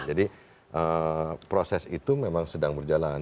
jadi proses itu memang sedang berjalan